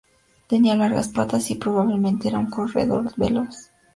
Tenía largas patas y probablemente era un corredor veloz.